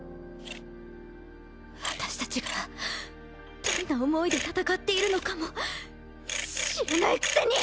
私たちがどんな思いで戦っているのかも知らないくせに！